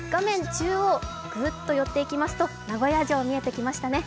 中央、グッと寄っていきますと名古屋城が見えてきますね。